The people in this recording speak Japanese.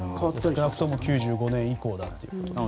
少なくとも９５年以降だということですね。